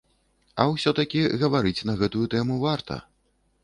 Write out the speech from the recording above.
А ўсё такі, гаварыць на гэтую тэму варта.